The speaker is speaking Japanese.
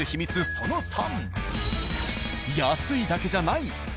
その３。